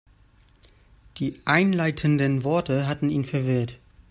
Die einleitenden Worte hatten ihn verwirrt.